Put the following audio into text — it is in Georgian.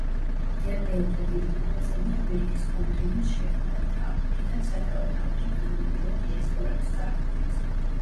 დევნილთა დიდმა ნაწილმა ამერიკის კონტინენტს შეაფარა თავი, რითაც სათავე დაუდო თანამედროვე დიასპორების წარმოქმნას.